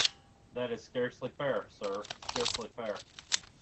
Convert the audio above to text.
That is scarcely fair, sir, scarcely fair!